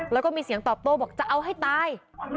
แล้วก็มีเสียงตอบโต้บอกจะเอาให้ตาย